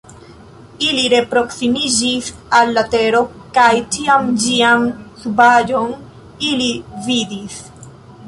Ili reproksimiĝis al la tero, kaj tiam ĝian subaĵon ili vidis.